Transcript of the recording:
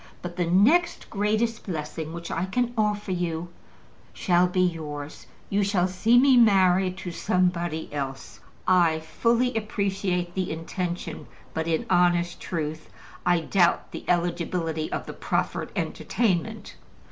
"But the next greatest blessing which I can offer you shall be yours, you shall see me married to somebody else." I fully appreciate the intention, but in honest truth, I doubt the eligibility of the proffered entertainment.